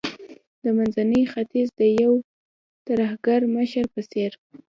د منځني ختیځ د یو ترهګر مشر په څیر